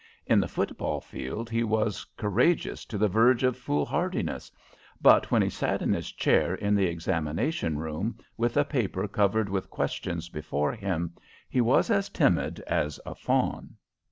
In the football field he was courageous to the verge of foolhardiness, but when he sat in his chair in the examination room, with a paper covered with questions before him, he was as timid as a fawn.